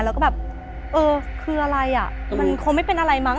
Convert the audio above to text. แล้วก็แบบเออคืออะไรอ่ะมันคงไม่เป็นอะไรมั้